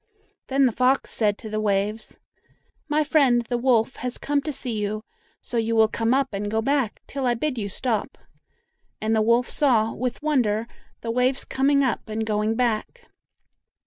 Then the fox said to the waves, "My friend, the wolf, has come to see you, so you will come up and go back till I bid you stop;" and the wolf saw, with wonder, the waves coming up and going back.